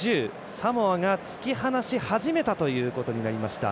サモアが突き放し始めたということになりました。